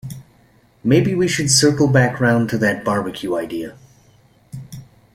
Maybe we should circle back round to that barbecue idea?